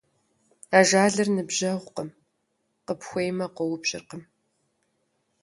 Ажалыр ныбжьэгъукъым, къыпхуеймэ, къоупщӀыркъым.